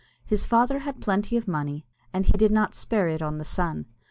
His father had plenty of money, and he did not spare it on the son.